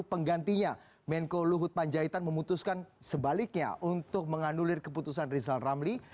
penggantinya menko luhut panjaitan memutuskan sebaliknya untuk menganulir keputusan rizal ramli